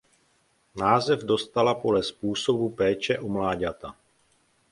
Název dostala podle způsobu péče o mláďata.